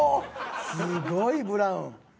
すごいブラウン。